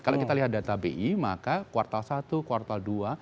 kalau kita lihat data bi maka kuartal satu kuartal dua